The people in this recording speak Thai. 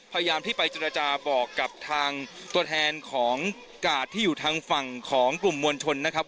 พยายามที่ไปเจรจาบอกกับทางตัวแทนของกาดที่อยู่ทางฝั่งของกลุ่มมวลชนนะครับ